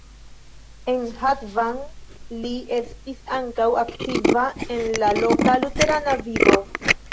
En Hatvan li estis ankaŭ aktiva en la loka luterana vivo.